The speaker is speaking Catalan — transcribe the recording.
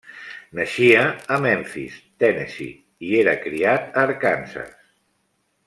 Naixia a Memphis, Tennessee, i era criat a Arkansas.